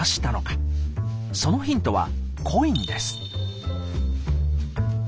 そのヒントは「コイン」です。